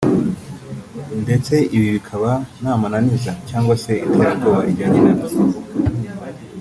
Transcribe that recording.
ndetse ibi bikaba nta mananiza cyangwa se iterabwoba rijyanye nabyo